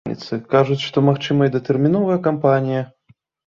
Кажуць, што магчымая датэрміновая кампанія.